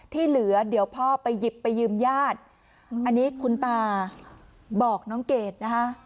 ที่เหลือเดี๋ยวพ่อไปหยิบไปยืมญาติอันนี้คุณตาบอกน้องเกดนะคะ